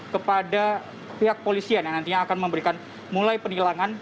kepada pihak polisian yang nantinya akan memberikan mulai penilangan